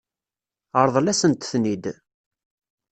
Ṛḍel-asent-ten-id.